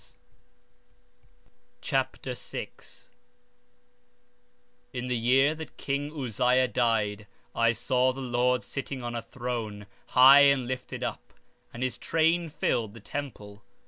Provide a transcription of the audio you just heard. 2 Nephi Chapter 16 16:1 In the year that king Uzziah died, I saw also the Lord sitting upon a throne, high and lifted up, and his train filled the temple.